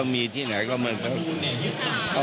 อันนี้จะต้องจับเบอร์เพื่อที่จะแข่งกันแล้วคุณละครับ